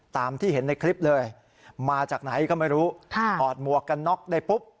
ตามที่เห็นในคลิปเลยมาจากไหนก็ไม่รู้ถอดหมวกกันน็อกได้ปุ๊บ